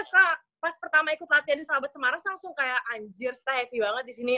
kak pas pertama ikut latihan di sahabat semarang langsung kayak anjir sty happy banget di sini